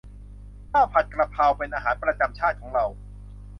ข้าวผัดกะเพรา เป็นอาหารประจำชาติของเรา